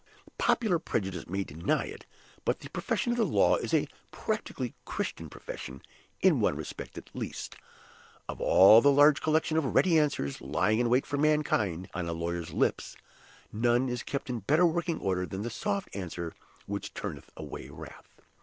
Popular prejudice may deny it, but the profession of the law is a practically Christian profession in one respect at least. Of all the large collection of ready answers lying in wait for mankind on a lawyer's lips, none is kept in better working order than "the soft answer which turneth away wrath."